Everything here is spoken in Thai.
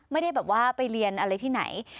ไม่ได้แบบว่าไปเรียนอะไรที่ไหน